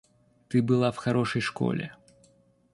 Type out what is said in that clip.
Ты была в хорошей школе.